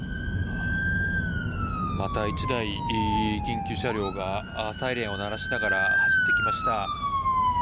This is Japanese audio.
また１台、緊急車両がサイレンを鳴らしながら走ってきました。